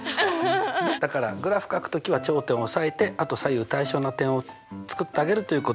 だからグラフかく時は頂点を押さえてあと左右対称な点を作ってあげるということねっ。